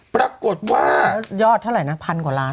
ปรากฏว่ายอดเท่าไหร่นะพันกว่าล้าน